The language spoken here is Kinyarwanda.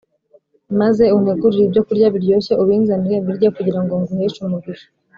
maze untegurire ibyokurya biryoshye ubinzanire mbirye kugira ngo nguheshe umugisha